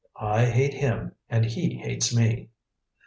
I hate him, and he hates me."